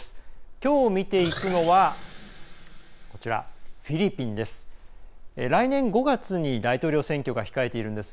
きょう見ていくのはフィリピンです。